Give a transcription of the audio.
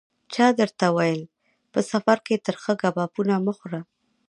چا درته ویل: په سفر کې ترخه کبابونه مه خوره.